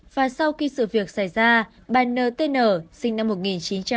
và sau khi sự việc xảy ra bà ntn sinh năm một nghìn chín trăm sáu mươi chín là mẹ chị t